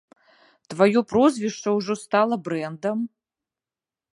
Тваё прозвішча ўжо стала брэндам?